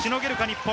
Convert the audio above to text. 日本。